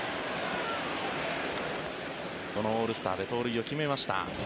このオールスターで盗塁を決めました。